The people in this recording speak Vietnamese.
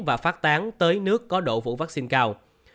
và phát tán tới nước có độ vũ vaccine cao